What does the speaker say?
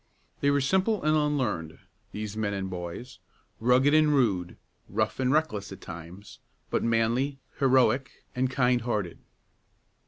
They were simple and unlearned, these men and boys, rugged and rude, rough and reckless at times, but manly, heroic, and kindhearted.